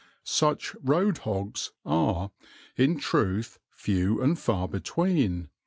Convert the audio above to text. Such "road hogs" are, in truth, few and far between.